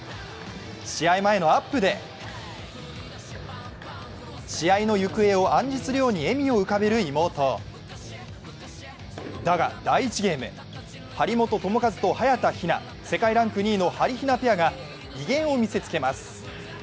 試合前のアップで、試合の行方を暗示するように笑みを浮かべる妹だが、第１ゲーム、張本智和と早田ひな、世界ランク２位のはりひなペアが威厳を見せつけます。